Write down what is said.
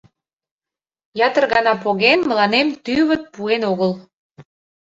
Ятыр гана поген, мыланем тӱвыт пуэн огыл.